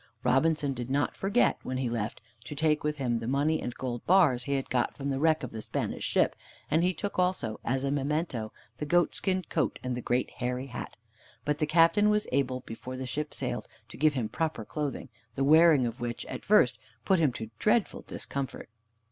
Robinson did not forget, when he left, to take with him the money and gold bars he had got from the wreck of the Spanish ship, and he took also, as a memento, the goatskin coat and the great hairy hat. But the Captain was able before the ship sailed to give him proper clothing, the wearing of which at first put him to dreadful discomfort.